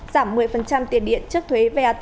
giảm một mươi tiền điện trước thuế vat